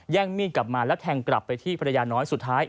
มีดกลับมาแล้วแทงกลับไปที่ภรรยาน้อยสุดท้าย